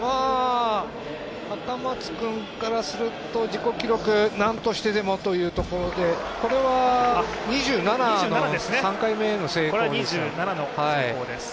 赤松君からすると自己記録、なんとしてでもというところでこれは２７の３回目の成功です。